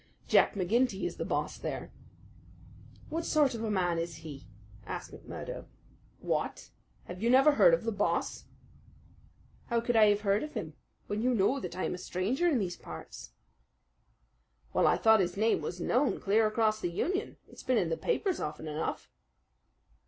"Jack McGinty is the boss there." "What sort of a man is he?" McMurdo asked. "What! have you never heard of the boss?" "How could I have heard of him when you know that I am a stranger in these parts?" "Well, I thought his name was known clear across the country. It's been in the papers often enough."